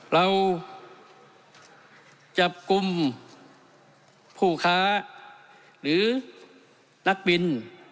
เราจับกลุ่มผู้ค้าหรือนักบิน